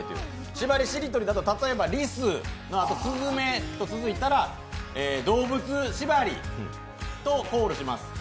しばりしりとりだと、例えば、りすのあと「すずめ」と続いたら、動物縛りとコールします。